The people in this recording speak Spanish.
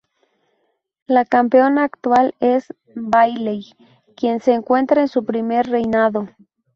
La campeona actual es Bayley, quien se encuentra en su primer reinado.